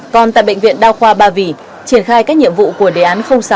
còn tại bệnh viện đao khoa ba vỉ triển khai các nhiệm vụ của đề án sáu